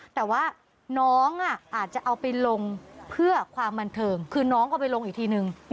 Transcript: แต่ว่าน้องอาจจะเอาไปลงเพื่อความบันเทิงคือน้องเอาไปลงอีกทีนึง